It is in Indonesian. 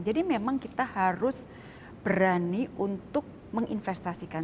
jadi memang kita harus berani untuk menginvestasikan